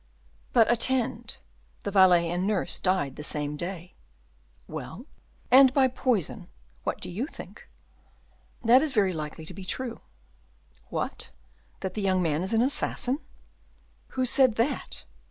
"But attend; the valet and nurse died the same day." "Well." "And by poison. What do you think?" "That is very likely to be true." "What! that that young man is an assassin?" "Who said that?